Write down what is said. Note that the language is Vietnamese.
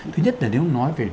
thứ nhất là nếu nói về thuế ấy